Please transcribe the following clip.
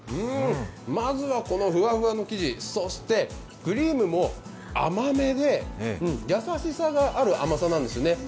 まずはこのふわふわの生地そしてクリームも甘めで優しさのある甘さなんですよね。